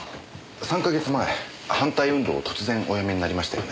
３か月前反対運動を突然おやめになりましたよね。